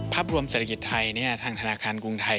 ภาพรวมเศรษฐกิจไทยทางธนาคารกรุงไทย